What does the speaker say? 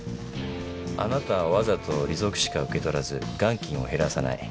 あなたはわざと利息しか受け取らず元金を減らさない。